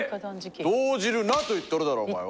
⁉動じるなと言っとるだろお前は。